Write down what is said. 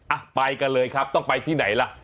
อ่ะไปกันเลยครับต้องไปที่ไหนล่ะ